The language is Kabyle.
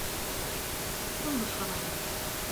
Ad ken-ḍefren.